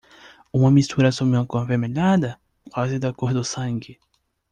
A mistura assumiu uma cor avermelhada? quase da cor do sangue.